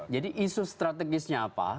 jadi isu strategisnya apa